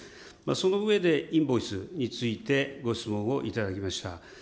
その上で、インボイスについてご質問をいただきました。